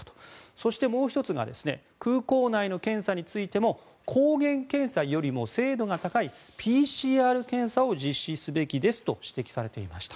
そしてもう１つが空港内の検査についても抗原検査よりも精度が高いＰＣＲ検査を実施すべきですと指摘されていました。